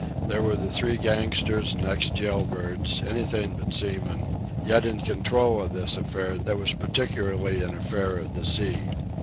There were the three gangsters and ex jailbirds, anything but seamen, yet in control of this affair that was peculiarly an affair of the sea.